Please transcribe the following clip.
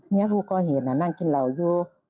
นี่ผู้ก่อเหตุน่ะนั่งกินเหล้าอยู่